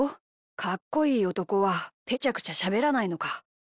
かっこいいおとこはぺちゃくちゃしゃべらないのか。